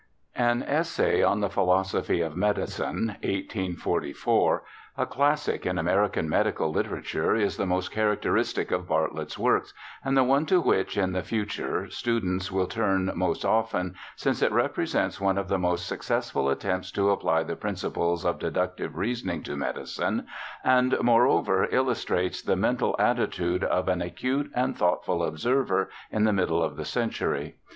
An Essay on the Philosophy of Medicine, 1844, ^ classic in American medical literature, is the most characteristic of Bartlett's works, and the one to which in the future students will turn most often, since it represents one of the most successful attempts to apply the principles of deductive reasoning to medicine, and moreover illus trates the mental attitude of an acute and thoughtful observer in the middle of the century.